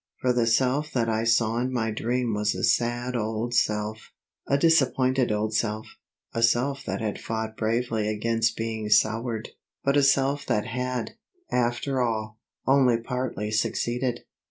For the self that I saw in my dream was a sad old self, a disappointed old self, a self that had fought bravely against being soured, but a self that had, after all, only partly succeeded.